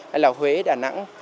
hay là huế đà nẵng